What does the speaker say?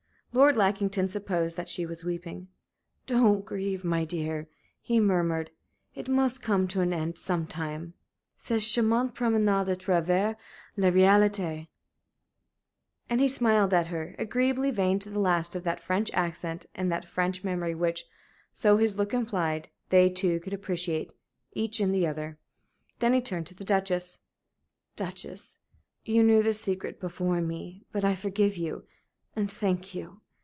Lord Lackington supposed that she was weeping. "Don't grieve, my dear," he murmured. "It must come to an end some time 'cette charmante promenade à travers la réalité!'" And he smiled at her, agreeably vain to the last of that French accent and that French memory which so his look implied they two could appreciate, each in the other. Then he turned to the Duchess. "Duchess, you knew this secret before me. But I forgive you, and thank you.